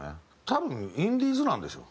多分インディーズなんでしょ。